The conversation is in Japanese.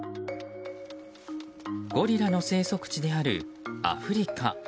ゴリラの生息地であるアフリカ。